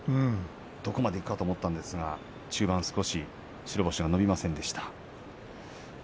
どこまでいくかと思ったんですが中盤、少し白星が伸びませんでした。